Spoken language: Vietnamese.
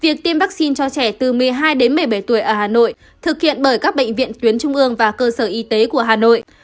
việc tiêm vaccine cho trẻ từ một mươi hai đến một mươi bảy tuổi ở hà nội thực hiện bởi các bệnh viện tuyến trung ương và cơ sở y tế của hà nội